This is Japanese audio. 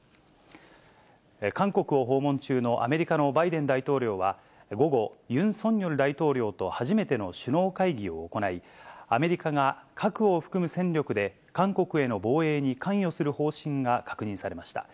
韓国を訪問中のアメリカのバイデン大統領は、午後、ユン・ソンニョル大統領と初めての首脳会議を行い、アメリカが、核を含む戦力で、韓国への防衛に関与する方針が確認されました。